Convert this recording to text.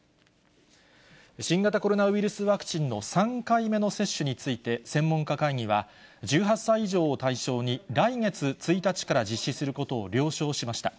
新型コロナウイルスワクチンの３回目の接種について専門家会議は、１８歳以上を対象に、来月１日から実施することを了承しました。